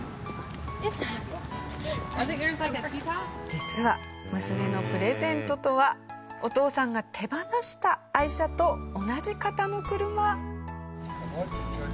実は娘のプレゼントとはお父さんが手放した愛車と同じ型の車。